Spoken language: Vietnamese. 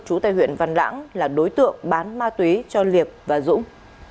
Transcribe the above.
chú tây huyện văn lãng là đối tượng bán ma túy cho liệp và dũng